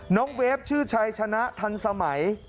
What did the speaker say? เวฟชื่อชัยชนะทันสมัย